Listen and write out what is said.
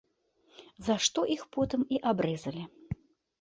За што іх потым і абрэзалі.